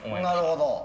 なるほど。